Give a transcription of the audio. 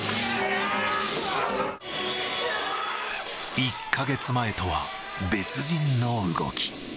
１か月前とは別人の動き。